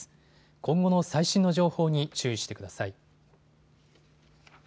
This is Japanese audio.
今後の最新の情報に注意してください。